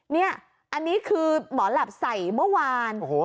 นี่อันนี้คือหมอแหลปใส่เมื่อวาน